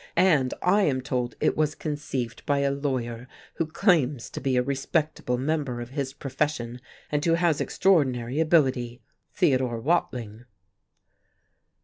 And I am told it was conceived by a lawyer who claims to be a respectable member of his profession, and who has extraordinary ability, Theodore Watling."